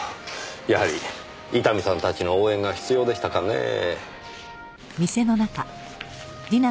やはり伊丹さんたちの応援が必要でしたかねぇ。